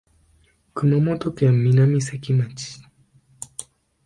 熊本県南関町